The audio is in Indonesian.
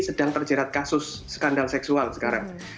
sedang terjerat kasus skandal seksual sekarang